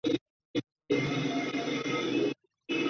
由此得出第二条伦敦方程。